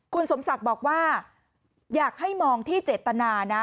คุณสมศักดิ์บอกว่าอยากให้มองที่เจตนานะ